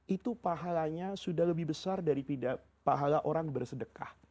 itu pahalanya sudah lebih besar daripada pahala orang bersedekah